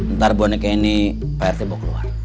ntar boneka ini pak arte bawa keluar